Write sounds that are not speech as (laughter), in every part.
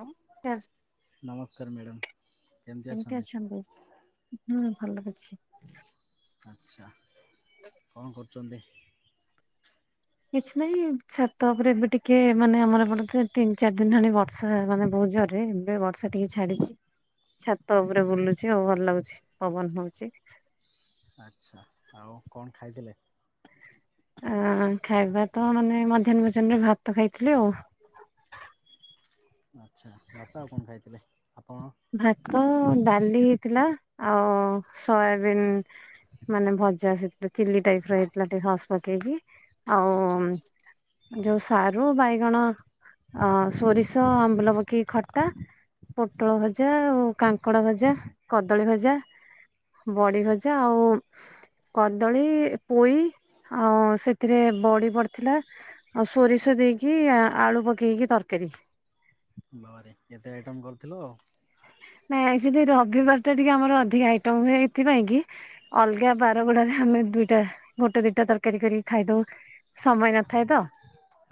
ହଁ। ନମସ୍କାର ମ୍ୟାଡ଼ାମ୍। କେମିତି ଅଛନ୍ତି? ହୁଁ ଭଲ ଅଛି। ଆଚ୍ଛା କଣ କରୁଛନ୍ତି? କିଛି ନାହିଁ ଛାତ ଉପରେ ଏବେ ଟିକେ ମାନେ ଆମର ଏପଟେ ତିନି ଚାରି ଦିନ ହେଲାଣି ବର୍ଷା ମାନେ ବହୁତ ଜୋରରେ। ଏବେ ବର୍ଷା ଟିକେ ଛାଡିଛି ଛାତ ଉପରେ ବୁଲୁଚି ଆଉ ଭଲ ଲାଗୁଛି ପବନ ହଉଛି। ଆଚ୍ଛା ଆଉ କଣ ଖାଇଥିଲେ? ଅ ଖାଇବା ତ ମାନେ ମଧ୍ୟାହ୍ନ ଭୋଜନ ରେ ଭାତ ଖାଇଥିଲି ଆଉ। ଆଚ୍ଛା ଭାତ ଆଉ କଣ ଖାଇଥିଲେ? ଆପଣ? ଭାତ ଡାଲି ହେଇଥିଲା ଆଉ ସୋୟାବିନ। ମାନେ ଭଜା ସେଥିରେ ଚିଲି ଟାଇପର ହେଇଥିଲା ଟିକେ ସସ୍ ପକେଇକି ଆଚ୍ଛା ଆଉ। ଆଚ୍ଛା ଯୋଉ ସାରୁ ବାଇଗଣ। ଅ ସୋରିଷ ଆମ୍ବୁଲ ପକେଇକି ଖଟା ପୋଟଳ ଭ ଭଜା ଆଉ କାଙ୍କଡ ଭଜା କଦଳୀ ଭଜା ବଡି ଭଜା ଆଉ କଦଳୀ ପୋଇ ଆଉ ସେଥିରେ ବଡି ପଡିଥିଲା। ଆଉ ସୋରିଷ ଦେଇକି ଆଳୁ ପକେଇକି ତରକାରୀ। ବାବାରେ ଏତେ ଆଇଟମ୍ କରିଥିଲ। ନାଇଁ ଆଜି ରବିବାର ଟା ଟିକେ ଆମର ଅଧିକା ଆଇଟମ୍ ହୁଏ ହେଥିପାଇଁ କି ଅଲଗା ବାର ଗୁଡାକରେ ଆମେ ଦୁଇଟା ଗୋଟେ ଦିଟା ତରକାରୀ କରି ଖାଇଦଉ। ସମୟ ନଥାଏ ତ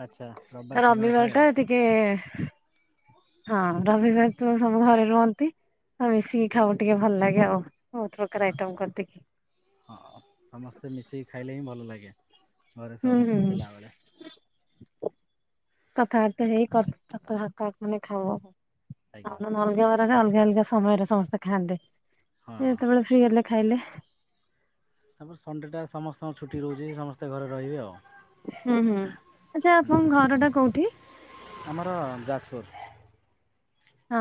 ଆଚ୍ଛା ତ ସମୟ ଥାଏ ରବିବାର ଆଉ ଟା ଟିକେ ହଁ ରବିବାର ତ ସବୁ ଘରେ ରୁହନ୍ତି ଆ ମିଶିକି ଖାଉ ଟିକେ ଭଲ ଲାଗେ ଆଉ ବହୁତ ପ୍ରକାର ଆଇଟମ୍ ଆଚ୍ଛା। କରିଦେ କି। ହଁ ସମସ୍ତେ ମିଶିକି ଖାଇଲେ ହିଁ ଭଲ ଲାଗେ। ଘରେ ହୁଁ ସମସ୍ତେ ଥିଲାବେଳେ ଉଁ। କଥାବାର୍ତ୍ତା ହେଇ (inaudible) ଖାଉ ଆଜ୍ଞା ଆଉ ଅଲଗା ବାରରେ ଅଲଗା ଅଲଗା ସମୟରେ ସମସ୍ତେ ଖାଆନ୍ତି। ଜିଏ ହଁ। ଯେତେବେଳେ ଫ୍ରି ହେଲେ ଖାଇଲେ। ତାପରେ ସଣ୍ଡେଟା ସମସ୍ତଙ୍କ ଛୁଟି ରହୁଛି ସମସ୍ତେ ଘରେ ରହିବେ ଆଉ। ହୁଁ ହୁଁ ଆଚ୍ଛା ଆପଣଙ୍କ ଘରଟା କଉଠି? ଆମର ଯାଜପୁର। ହଁ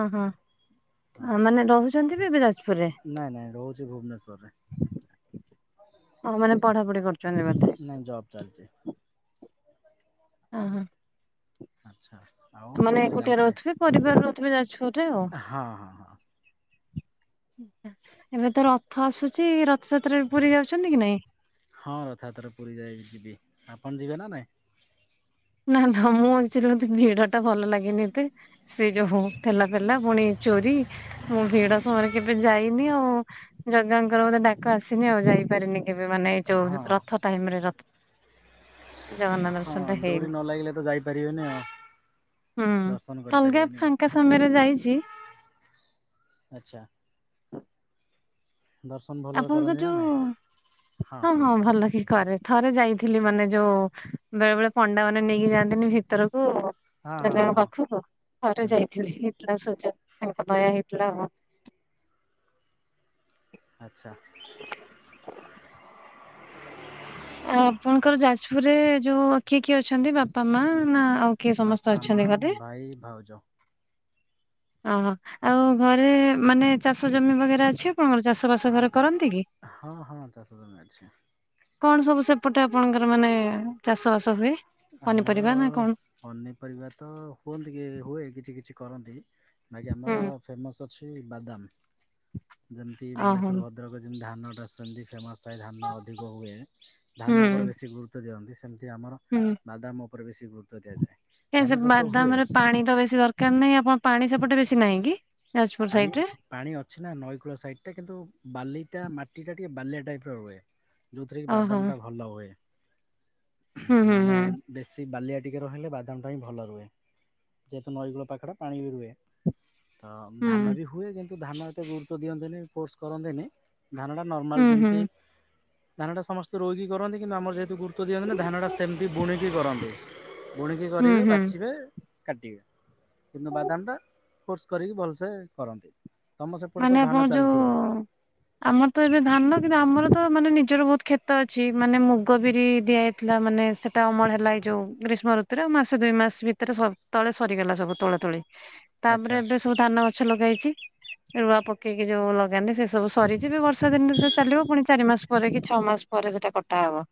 ହଁ ମାନେ ରହୁଛନ୍ତିବିଏବେ ଯାଜପୁରରେ। ନାଇଁ ନାଇଁ ରହୁଛି ଭୁବନେଶ୍ୱରରେ ହ ମାନେ ପଢାପଢି କରୁଛନ୍ତି ବୋ ନାଇଁ ଜବ୍ ଚାଲଛି। ଅ ହଁ। ଆଚ୍ଛା ଆଉ କୁଆଡ଼େ ଯାଇଥିଲେ? କରିପାରୁ ନଥିବେ ଯାଜପୁର ହଁ ହଁ ହଁ। ଏବେ ତ ରଥ ଆସୁଛି ରଥଯାତ୍ରାରେ ପୁରୀ ଯାଉଛନ୍ତି କି ନାଇଁ? ହଁ ରଥଯାତ୍ରାରେ ପୁରୀ ଯାଇ ଯିବି ଆପଣ ଯିବେ ନା ନାଇଁ? ନା ନା ମୁଁ ଆକ୍ଚୁଆଲି ମତେ ଭିଡ ଟା ଭଲ ଲାଗେନି ଏତେ। ସେ ଯୋଉ ଠେଲା ପେଲା ପୁଣି ଚୋରି। ମୁଁ ଭିଡ ସମୟରେ କେବେ ଯାଇନି ଆଉ ଜଗାଙ୍କର ବୋଧେ ଡାକ ଆସିନି ଆଉ ଯାଇପାରିନି। ଏବେ ମାନେ ଏଇ ଯୋଉ ହଁ। ରଥ ଟାଇମ୍ ରେ ରଥ। ଜଗନ୍ନାଥ ହଁ ଦର୍ଶନ ଟା ଡୋରି ହେଇନି ନ ଲାଗିଲେ ତ ଯାଇପାରିବେନି ଆଉ। ହୁଁ ଦର୍ଶନ ଅଲଗା କରିପାରିବେନି ଆଉ। ଫାଙ୍କା ସମୟରେ ଯାଇଚି। ଆଚ୍ଛା। ଦର୍ଶନ ଭଲରେ ଆପଣଙ୍କ କରନ୍ତି ନା ଯୋଉ ନାଇଁ? ହଁ ହଁ ଭଲ କି କରେ। ଥରେ ଯାଇଥିଲି ମାନେ ଯୋଉ ବେଳେ ବେଳେ ପଣ୍ଡା ମାନେ ନେଇକି ଯାଆନ୍ତିନି ଭିତରକ କୁ ହଁ ହଁ ଜଗାଙ୍କ ହଁ ପାଖକୁ ଥରେ ହୁଁ ଯାଇଥିଲି। ଏ ସୁଚା ତାଙ୍କ ଦୟା ହେଇଥିଲା ଆଉ। ଆଚ୍ଛା। ହଁ ଆ, ଆପଣଙ୍କର ଯାଜପୁରରେ ଯୋଉ କିଏ କିଏ ଅଛନ୍ତି ବାପା ମା ନା ଆଉ କିଏ ବାପା ସମସ୍ତେ ମା ଅଛନ୍ତି ଘରେ? ଭାଇ ଭାଉଜ। ଅହୋ ଆଉ ଘରେ ମାନେ ଚାଷ ଜମି ବଗେରା ଅଛି ଆପଣଙ୍କର ଚାଷବାସ ଘରେ କରନ୍ତି କି? ହଁ ହଁ ଚାଷ ଜମି ଅଛି। କଣ ସବୁ ସେପଟେ ଆପଣଙ୍କର ମାନେ ଚାଷ ବାସ ହୁଏ? ଆମର ପନିପରିବା ନା କଣ? ପନିପରିବା ତ ହୁଅନ୍ତି କି ହୁଏ କିଛି କିଛି କରନ୍ତି। ବାକି ହୁଁ ଆମର ଫେମସ୍ ଅଛି ବାଦାମ ଯେମିତି ଓହୋ ବାଲେଶ୍ବର ଭଦ୍ରକ ଯେମିତି ଧାନଟା ସେମତି ଫେମସ୍। ପ୍ରାୟ ଧାନ ଅଧିକ ହୁଏ, ହୁଁ ଧାନ ଉପରେ ବେଶୀ ଗୁରୁତ୍ୱ ଦିଅନ୍ତି। ସେମିତି ଆମର ହୁଁ। ବାଦାମ ଉପରେ ବେଶୀ ଗୁରୁତ୍ୱ ଦିଆଯାଏ। ଏ ସେ ଧାନ ଚାଷ ହୁଏ। ବାଦାମରେ ପାଣି ତ ବେଶୀ ଦରକାର ନାହିଁ ଆପଣ ପାଣି ସେପଟେ ବେଶୀ ନାହିଁ କି ଯାଜପୁର ପାଣି ସାଇଡ ରେ? ପାଣି ଅଛି ନା ନଈକୂଳ ସାଇଡ୍ ଟା କିନ୍ତୁ ବାଲିଟା ମାଟିଟା ଟିକିଏ ବାଲିଆ ଟାଇପ୍ ର ରୁହେ। ଯୋଉଥିରେ କି ଓହୋ ବାଦାମଟା ଭଲ ହୁଏ। ହୁଁ ହୁଁ ହୁଁ ମାନେ ବେଶୀ ବାଲିଆ ଟିକେ ରହିଲେ ବାଦାମ ଟା ହିଁ ଭଲ ରୁହେ। ଯେହେତୁ ନଈକୂଳ ପାଖଟା ପାଣି ବି ରୁହେ। ତ ହୁଁ ଧାନ ବି ହୁଏ କିନ୍ତୁ ଧାନ ଏତେ ଗୁରୁତ୍ବ ଦିଅନ୍ତିନି, ପୋର୍ସ କରନ୍ତିନି। ଧାନଟା ନର୍ମାଲ ହୁଁ ଯେମିତି ହୁଁ। ଧାନଟା ସମସ୍ତେ ରୋଇକି କରନ୍ତି। କିନ୍ତୁ ଆମର ଯେହେତୁ ଗୁରୁତ୍ଵ ଦିଅନ୍ତି ନି, ଧାନଟା ସେମିତି ବୁଣିକି କରନ୍ତି। ବୁଣିକି ହୁଁ କରିବେ, ହୁଁ ବାଛିବେ। କାଟିବେ, କିନ୍ତୁ ବାଦାମ ଟା କୋର୍ସ କରିକି ଭଲସେ କରନ୍ତି। ତୋମ ସେପଟେ ମାନେ ତ ଆପଣ ଧାନ ଚାଲିଥିବ? ଯୋଉ ଆମର ତ ଏବେ ଧାନ କିନ୍ତୁ ଆମର ତ ମାନେ ନିଜର ବହୁତ ଖେତ ମାନେ ମୁଗ ବିରି ଦିଆ ଥିଲା ମାନେ ସେଟା ଅମଳ ହେଲା ଏଇ ଯୋଉ ଗ୍ରୀଷ୍ମ ଋତୁରେ ମାସେ ଦୁଇ ମାସ ଭିତରେ ସ- ତଳେ ସରିଗଲା ସବୁ ତୋଳା ତୋଳି। ଆଚ୍ଛା ତାପରେ ଏବେ ସବୁ ଧାନ ଗଛ ଲଗା ହେଇଛି। ରୁଆ ପକେଇକି ଯୋଉ ଲଗାନ୍ତି ସେ ସବୁ ସରିଚି ବି ବର୍ଷା ଦିନରେ ସେ ଚାଲିବ ପୁଣି ଚାରି ମାସ। ପରେ କି ଛଅ ମାସ ପରେ ସେଟା କଟା ହବ।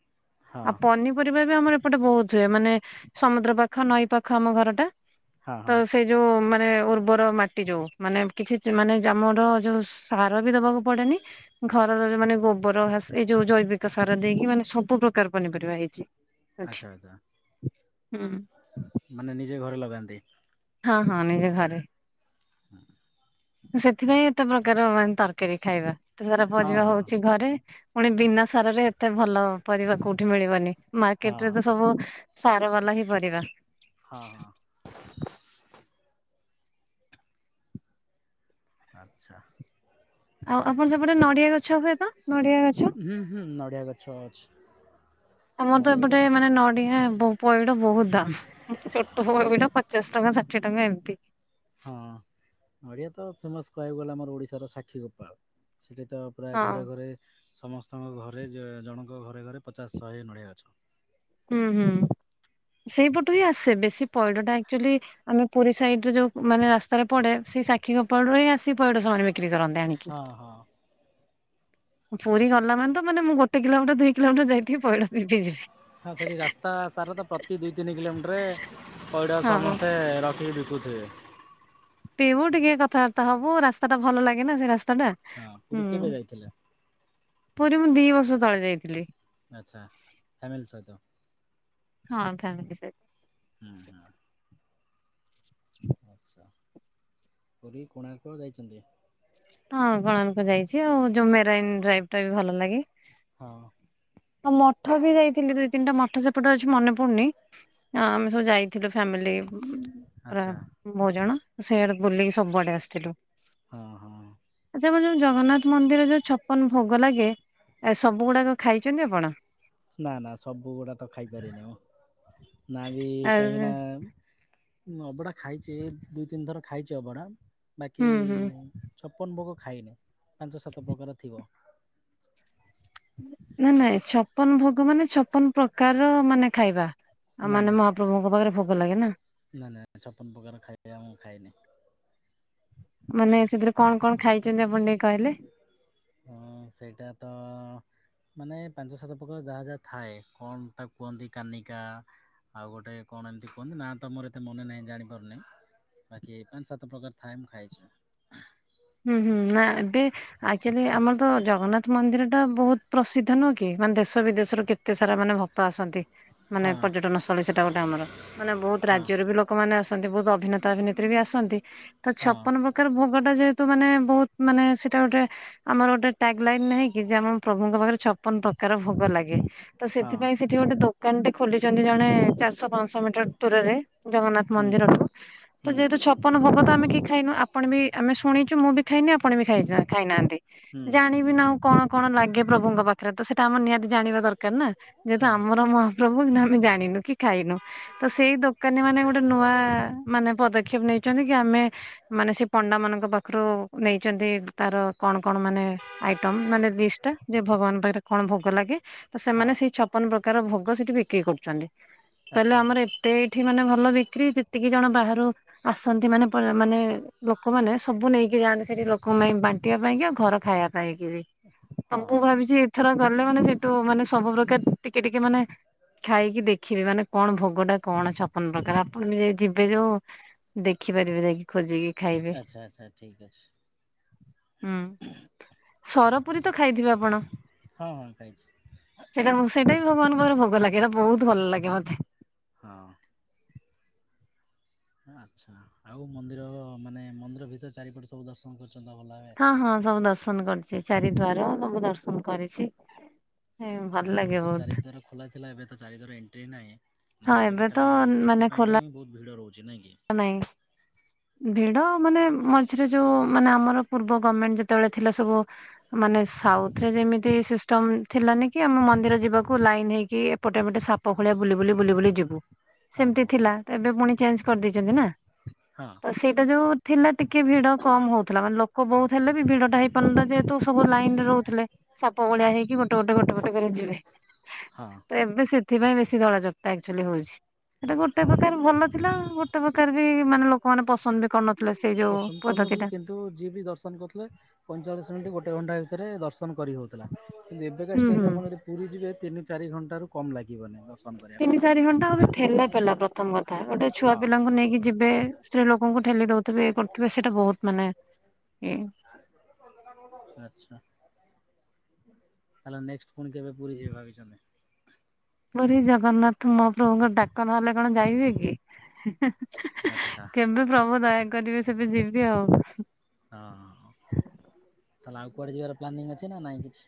ଆଉ ହଁ ପନି ପରିବା ବି ଆମର ଏପଟେ ବହୁତ ହୁଏ। ମାନେ ସମୁଦ୍ର ପାଖ ନଈ ପାଖ ଆମ ଘରଟା। ହଁ ତ ହଁ। ସେଇ ଯୋଉ ମାନେ ଉର୍ବର ମାଟି ଯୋଉ ମାନେ କିଛି ମାନେ ଯେ ଆମର ଯୋଉ ସାର ବି ଦବାକୁ ପଡେନି। ଘରରର ମାନେ ଗୋବର ଘାସ ଏଇ ଯୋଉ ଜୈବିକ ସାର ଦେଇକି ମାନେ ସବୁ ପ୍ରକାର ପନିପରିବା ହେଇଛି। ଏଠି। ଆଚ୍ଛା, ଆଚ୍ଛା ହୁଁ। ମାନେ ନିଜେ ଘରେ ଲଗାନ୍ତି? ହଁ ହଁ ନିଜ ଘରେ। ସେଥିପାଇଁ ଏତେ ପ୍ରକାର ମାନେ ତରକାରୀ ଖାଇବା। ଏତେ ସାରା ହଁ ପରିବା ହଁ ହଉଛି ଘରେ ପୁଣି ବିନା ସାରରେ ଏତେ ଭଲ ପରିବା କୋଉଠି ମିଳିବନି। ହଁ। ମାର୍କେଟ୍ ରେ ତ ସବୁ ସାର ବାଲା ହିଁ ପରିବା। ହଁ, ହଁ। ଆଚ୍ଛା। ଆଉ ଆପଣ ସେପଟେ ନଡିଆ ଗଛ ହୁଏ ପା? ନଡିଆ ଗଛ? ହୁଁ, ହୁଁ, ନଡ଼ିଆ ଗଛ ଅଛି। ଆମର ତ ନଡ଼ିଆ ଏପଟେ ଗଛ ମାନେ ନଡିଆ ବୋ ପଇଡ ବହୁତ ଦାମ୍ ଉ, ଛୋଟ ପଇଡ ପଚାଶ ଟଙ୍କା ଷାଠିଏ ଟଙ୍କା ଏମତି। ହଁ ନଡ଼ିଆ ତ ଫେମସ୍ କହିବାକୁ ଗଲେ ଆମର ଓଡ଼ିଶାର ସାକ୍ଷୀ ଗୋପାଳ। ସେଠି ତ ପ୍ରାୟ ହଁ ଘରେ ଘରେ ସମସ୍ତଙ୍କ ଘରେ, ଜ-ଜଣଙ୍କ ଘରେ ଘରେ ପଚାଶ ଶହେ ନଡ଼ିଆ ଗଛ। ହୁଁ ହୁଁ ସେଇପଟୁ ହିଁ ଆସେ ବେଶୀ ପଇଡଟା ଆକଚୁଆଲି ଆମେ ପୁରୀ ସାଇଡରେ ଯୋଉ, ମାନେ ରାସ୍ତାରେ ପଡେ ସେଇ ସାକ୍ଷୀ ଗୋପାଳ ରୁ ଆସି ପଇଡ ସେମାନେ ବିକ୍ରି କରନ୍ତି। ଆଣିକି। ହଁ ହଁ। ପୁରୀ ଗଲାମାନେ ତ ମାନେ ମୁଁ ଗୋଟେ କିଲୋମିଟର ଦୁଇ କିଲୋମିଟର ଯାଇଥିବି ପଇଡ଼ ପି ପି ଯିବି। ହଁ, ସେଠି ରାସ୍ତା ସାରା ତ ପ୍ରତି ଦୁଇ ତିନି କିଲୋମିଟରରେ ପଇଡ଼ ହଁ ସମସ୍ତେ ରଖିକି ବି କୋଧେ ପିଇବୁ ଟିକେ କଥାବାର୍ତ୍ତା ହବୁ ରାସ୍ତାଟା ଭଲ ଲାଗେ ନା ସେ ରାସ୍ତା ଟା। ହଁ, ପୁରୀ କେବେ ହୁଁ। ଯାଇଥିଲେ? ପୁରୀ ମୁଁ ଦି ବର୍ଷ ତଳେ ଯାଇଥିଲି। ଆଛା ଫ୍ୟାମିଲି ସହିତ ହଁ ଫ୍ୟାମିଲି ସହିତ। ହୁଁ ହୁଁ। ହ (unintelligible) ଆଛା ପୁରୀ କୋଣାର୍କ ଯାଇଛନ୍ତି? ହଁ କୋଣାର୍କ ଯାଇଛି, ଆଉ ଯୋଉ ମେରାଇନ୍ ଡ୍ରାଇଭ୍ ଟା ବି ଭଲ ଲାଗେ। ହଁ। ହଁ ମଠ ବି ଯାଇଥିଲି ଦୁଇ ତିନଟା ମଠ ସେପଟେ ଅଛି ମନେପ ଶୁଣି ଆ ଆମେ ସବୁ ଯାଇଥିଲୁ ଫ୍ୟାମିଲି ପ୍ରା ଆଚ୍ଛା ବହୁତ୍ ଜଣ ସେଆଡେ ବୁଲିକି ସବୁଆଡେ ଆସିଥିଲୁ। ହଁ ହଁ। ଆଚ୍ଛା ଆମର ଯୋଉ ଜଗନ୍ନାଥ ମନ୍ଦିର ଯୋଉ ଛପନ ଭୋଗ ଲାଗେ, ଏ ସବୁ ଗୁଡାକ ଖାଇଛନ୍ତି ଆପଣ? ନା ନା ସବୁ ଗୁଡା ତ ଖାଇପାରେନି ମୁଁ। ନା ବି ଆ କାହିଁକି ନା ମୁଁ ଅବଢ଼ା ଖାଇଛି ଦୁଇ ତିନି ଥର ଖାଇଛି ଅବଢ଼ା ବାକି ହୁଁ ହୁଁ ଛପନ ଭୋଗ ଖାଇନି ପାଞ୍ଚ ସାତ ପ୍ରକାର ଥିବ। ନାଇ ନାଇଁ ଛପନ ଭୋଗ ମାନେ ଛପନ ପ୍ରକାର ମାନେ ଖାଇବା ଆ ନାଇଁ ମାନେ ନାଇଁ ମ ପ୍ରଭୁଙ୍କ ପାଖରେ ଭୋଗ ଲାଗେ ନା। ନାଇଁ ନାଇଁ ଛପନ ପକାର ଖାଇବା ମୁଁ ଖାଇନି। ମାନେ ସେଥିରେ କଣ କଣ ଖାଇଛନ୍ତି ଆପଣ ଟିକେ କହିଲେ? ହଁ ସେଇଟା ତ ମାନେ ପାଞ୍ଚ ସାତ ପ୍ରକାର ଯାହା ଯାହା ଥାଏ କଣ ତାକୁ କୁହନ୍ତି କାନିକା। ଆଉ ଗୋଟେ କଣ ଏମିତି କୁହନ୍ତି ନା ତମର ଏତେ ମନେ ନାହିଁ ଜାଣିପାରୁନିଁ। ବାକି ପାଞ୍ଚ ସାତ ପ୍ରକାର ଥାଏ ମୁଁ ଖାଇଛି। ହୁଁ ହୁଁ ନା ଟି ଆକଚୁଆଲି ଆମର ତ ଜଗନ୍ନାଥ ମନ୍ଦିର ଟା ବହୁତ ପ୍ରସିଦ୍ଧ ନୁହଁକି! ମାନେ ଦେଶ ବିଦେଶର କେତେ କେତେ ସାରା ମାନେ ଭକ୍ତ ଆସନ୍ତି, ମାନେ ହଁ ପର୍ଯ୍ୟଟନ ସ୍ଥଳୀ ସେଟା ଗୋଟେ ଆମର। ମାନେ ବହୁତ ହଁ ରାଜ୍ୟରୁ ବି ଲୋକମାନେ ଆସନ୍ତି, ବହୁତ ଅଭିନେତା ଅଭିନେତ୍ରୀ ବି ଆସନ୍ତି ତ ହଁ ଛପନ ଭୋ ତାର ଭୋଗ ଟା ଯେହେତୁ ମାନେ ବହୁତ ମାନେ ସେଟା ଗୋଟେ ଆମର ଗୋଟେ ଟାଗ ଲାଇନ ନାହିଁକି! ଯେ ଆମ ପ୍ରଭୁଙ୍କ ପାଖରେ ଛପନ ପ୍ରକାର ଭୋଗ ଲାଗେ। ତ ହଁ ସେଥିପାଇଁ ସେଠି ଗୋଟେ ଦୋକାନ ଟେ ଖୋଲିଛନ୍ତି ଜଣେ ଚାରିଶହ ପାଞ୍ଚଶହ ମିଟର ଦୂରରେ। ଜଗନ୍ନାଥ ହୁଁ ମନ୍ଦିରଠୁ, ତ ହୁଁ ଯେହେତୁ ଛପନ ଭୋଗ ତ ଆମେ କେହି ଖାଇନୁ ଆପଣ ବି ଆମେ ଶୁଣିଛୁ ମୁଁ ବି ଖାଇନି ଆପଣ ବି ଖାଇ ଚ ଖାଇ ନାହାନ୍ତି। ହୁଁ ଜାଣିବି ନାଁଉ କଣ କଣ ଲାଗେ ପ୍ରଭୁଙ୍କ ପାଖରେ ତ ସେଇଟା ଆମର ନିହାତି ଜାଣିବା ଦରକାର ନା? ଯେହେତୁ ହଁ ଆମର ମ ପ୍ରଭୁ ଆମେ ଜାଣିନୁ କି ଖାଇନୁ, ତ ସେଇ ଦୋକାନରେ ମାନେ ଗୋଟେ ନୂଆ ମାନେ ପଦକ୍ଷେପ ନେଇଛନ୍ତି କି ଆମେ, ମାନେ ସେ ପଣ୍ଡା ମାନଙ୍କ ପାଖ ପାଖରୁ ନେଇଛନ୍ତି ତାର କଣ କଣ ମାନେ ଆଇଟମ ମାନେ ଲିଷ୍ଟ ଟା ଯେ ଭଗବାନ ପାଖରେ କଣ ଭୋଗ ଲାଗେ ତ ସେମାନେ ହଁ ସେଇ ଛପନ ପ୍ରକାର ଭୋଗ ସେଠି ବିକ୍ରି କରୁଛନ୍ତି କହିଲେ ଆଚ୍ଛା ଆମର ଏତେ ଏଇଠି ମାନେ ଭଲ ବିକ୍ରି ଯେତିକି ଜଣ ବାହାରୁ ଆସନ୍ତି ମାନେ ପ ମାନେ ଲୋକମାନେ ସବୁ ନେଇକି ଯାଆନ୍ତି ସେଠି ଲୋକ ପାଇଁ ବାଣ୍ଟିବା ପାଇଁ କି ଆଉ ଘର ଖାଇବା ପାଇଁ କି ବି। ତ ହଁ ମୁଁ ହଁ ଭାବିଛି ଏଥର ଗଲେ ମାନେ ସେ ଟୁ ମାନେ ସବୁ ପ୍ରକାର ଟିକେ ଟିକେ ମାନେ ଖାଇକି ଦେଖିବେ ମାନେ କଣ ଭୋଗଟା କଣ ଛ ଆନ ପ୍ରକାର ଆପଣ ବି ଯାଇ ଯିବେ ଯୋଉ ଦେଖିପାରିବେ ଯାଇକି ଖୋଜିକି। ଖାଇବେ ଆଚ୍ଛା ଆଚ୍ଛା ଠିକ୍ ଅଛି। ହୁଁ ସରପୁରୀ ତ ଖାଇଥିବେ ଆପଣ। ହଁ ହଁ ଖାଇଛି। ସେଇଟା ସେଇଟା ବି ଭଗବାନଙ୍କର ଭୋଗ ଲାଗେ ବହୁତ ଭଲ ଲାଗେ ମତେ। ହଁ। ଆଚ୍ଛା ଆଉ ମନ୍ଦିର ମାନେ ମନ୍ଦିର ଭିତରେ ଚାରିପଟେ ସବୁ ଦର୍ଶନ କରୁଛନ୍ତି ଭଲ ଭାବେ ହଁ ସବୁ ଦର୍ଶନ କରିଛି ଚାରି ଦ୍ୱାର ସବୁ ଦର୍ଶନ କରିଛି। ଭଲ ଆଗରୁ ଲାଗେ ତ ଚାରି ବହୁତ। ଦ୍ୱାର ଖୋଲା ଥିଲା ଏବେ ତ ଚାରିକର ଏଣ୍ଟ୍ରି ନାହିଁ। ନହେଲେ ଏବେ ତ ଖାଲି ସେଇଥିପାଇଁ ତ ହିଁ ବହୁତ ଭିଡ ରହୁଛି ନାଇଁ କି। ନାଇଁ। ଭିଡ ମାନେ ମଝିରେ ଯୋଉ ମାନେ ଆମର ପୂର୍ବ ଗଭର୍ଣ୍ଣମେଣ୍ଟ ଯେତେବେଳେ ଥିଲା ସବୁ ମାନେ ସାଉଥ ରେ ଯେମିତି ସିଷ୍ଟମ ଥିଲାନି କି ଆମେ ମନ୍ଦିର ଯିବାକୁ ଲାଇନ୍ ହେଇକି ଏପଟେ ପଟେ ସା ପ ଭଳିଆ ବୁ ବୁଲି ବୁ ବୁଲି ଯିବୁ ହଁ ସେମିତି ହଁ ହଁ। ଥିଲା ଏବେ ପୁଣି ଚେଞ୍ଜ କରିଦେଇଛନ୍ତି ନା। ହଁ। ତ ସେଇଟା ଯୋଉ ଥିଲା ଟିକେ ଭିଡ କମ ହଉଥିଲା ମାନେ ଲୋକ ବହୁତ ହେଲେ ବି ଭିଡ ଟା ହେଇପାରୁନତା ଯେହେତୁ ସବୁ ଲାଇନ ରେ ରହୁଥିଲେ ସାପ ଭଳିଆ ହେଇକି ଗୋଟେ ଗୋଟେ ଗୋଟେ ଗୋଟେ କରି ଯିବେ। ହଁ ତ ଏବେ ସେଥିପାଇଁ ବେଶୀ ଧଳା ଚପ୍ଟାଚୁଆଲି ହଉଛି ସେଟା ଗୋଟେ ହଁ କଥ ଭଲ ଥିଲା। ଗୋଟେ ପ୍ରକାର ବି ମାନେ ଲୋକମାନୋନେ ପସନ୍ଦ ବି କରନଥିଲେ ସେଇ ଯୋଉ ପସନ୍ଦ ପଦ୍ଧତି କରୁନଥିଲେ ଟା। କିନ୍ତୁ ଯିଏ ବି ଦର୍ଶନ କରୁଥିଲେ ପଇଁଚାଳିଶ ମିନିଟ ଗୋଟେ ଘଣ୍ଟା ଭିତରେ ଦର୍ଶନ କରି ହଉଥିଲା। କିନ୍ତୁ ଏବେ କା ହୁଁ ଷ୍ଟେଜ ରେ ହୁଁ। ଆପଣ ଯଦି ପୁରୀ ଯିବେ ତିନି ଚାରି ଘଣ୍ଟାରୁ କମ ଲାଗିବନି। ଦର୍ଶନ କରିବା ପାଇଁ। ତିନି ଚାରି ଘଣ୍ଟା ଠେଲା ପେଲା ପ୍ରଥମ କଥା ଗୋଟେ ଛୁଆ ପିଲାଙ୍କୁ ହଁ ନେଇକି ଯିବେ ସ୍ତ୍ରୀ ଲୋକଙ୍କୁ ଠେଲି ଦଉଥିବେ କରୁଥିବେ ସେଇଟା ବହୁତ ମାନେ ଏଇ। ଆଛା। ତାହେଲେ ନେକ୍ସଟ ପୁଣି କେବେ ପୁରୀ ଯିବ ଭାବିଛନ୍ତି? ପୁରୀ ଜଗନ୍ନାଥ ମହାପ୍ରଭୁଙ୍କ ଡାକ ନ ହେଲେ କଣ ଯାଇ ହୁଏ କି? ଆଚ୍ଛା କେବେ ପ୍ରଭୁ ଦୟା କରିବେ ସେବେ ଯିବି ଆଉ। ହଁ ତାହେଲେ ଆଉ କୁଆଡ଼େ ଯିବାର ପ୍ଲାନିଂ ଅଛି ନା ନାଇଁ କିଛି।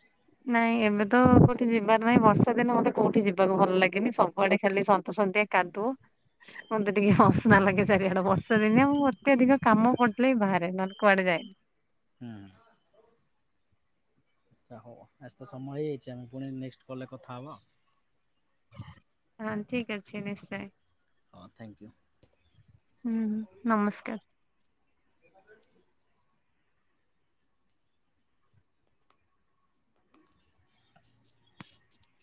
ନାଇଁ ଏବେ ତ କୋଉଠି ଯିବାର ନାହିଁ ବର୍ଷା ଦିନ ମତେ କୋଉଠି ଯିବାକୁ ଭଲ ଲାଗିନି ସବୁଆଡେ ଖାଲି ସନ୍ତସନ୍ତିଆ କାଦୁଅ। ମୋତେ ଟିକେ ହସନା ଲାଗେ ଚାରିଆଡେ ବର୍ଷ ଦିନିଆ ମୁ ଅତେଧିକ କାମ ଆଚ୍ଛା ପଡିଲେ ବି ବାହାରେ ନହେ କୁଆଡେ ଯାଏନି। ହୁଁ। ଆଚ୍ଛା ହଉ ଆସ୍ ତ ସମୟ ହେଇଯାଇଛି ଆମେ ପୁଣି ନେକ୍ସଟ କଲ୍ ରେ କଥା ହବା। ହଁ ଠିକ ଅଛି ନିଶ୍ଚୟ। ହଁ ଥ୍ୟାଙ୍କ ୟୁ। ହୁଁ ହୁଁ ନମସ୍କାର।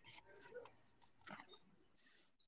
(inaudible)